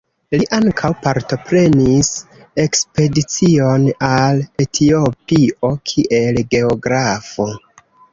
Li ankaŭ partoprenis ekspedicion al Etiopio kiel geografo.